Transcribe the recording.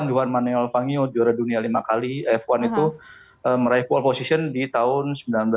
juan manel vangyo juara dunia lima kali f satu itu meraih pole position di tahun seribu sembilan ratus sembilan puluh